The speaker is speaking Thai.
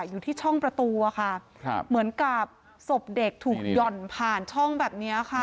อยู่ที่ช่องประตูอะค่ะครับเหมือนกับศพเด็กถูกหย่อนผ่านช่องแบบเนี้ยค่ะ